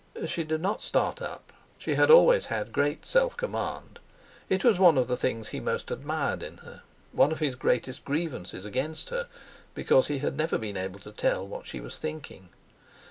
She did not start up. She had always had great self command—it was one of the things he most admired in her, one of his greatest grievances against her, because he had never been able to tell what she was thinking.